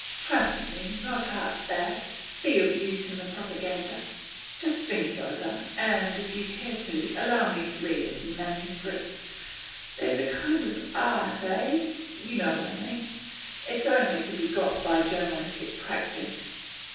'Trust me, not half bad. Be of use in the propaganda. Just think it over, and, if you care to, allow me to read it in manuscript. There's a kind of art eh? you know what I mean; it's only to be got by journalistic practice.